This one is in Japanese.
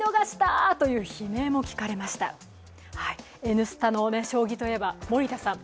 「Ｎスタ」の将棋といえば森田さん。